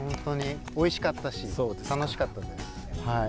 おいしかったし楽しかったです。